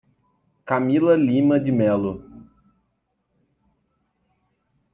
Camila Lima de Melo